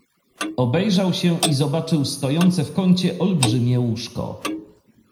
"Obejrzał się i zobaczył stojące w kącie olbrzymie łóżko."